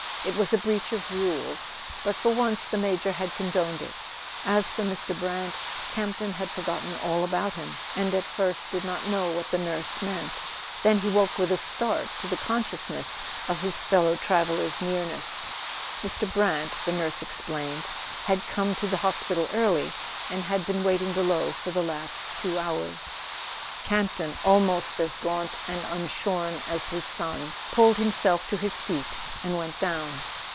It was a breach of rules, but for once the major had condoned it. As for Mr. Brant, Campton had forgotten all about him, and at first did not know what the nurse meant. [ 280 ] A SON AT THE FRONT Then he woke with a start to the consciousness of his fellow traveller's nearness. Mr. Brant, the nurse ex¬ plained, had come to the hospital early, and had been waiting below for the last two hours. Camp ton, almost as gaunt and unshorn as his son, pulled himself to his feet and went down.